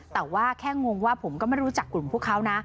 แต่ว่าแค่งงว่าผมก็ไม่รู้จักกลุ่มพวกเขานะ